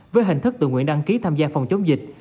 với hình thức tự nguyện đăng ký tham gia phòng chống dịch